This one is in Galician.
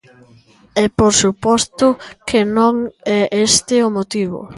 E por suposto que non é este o motivo.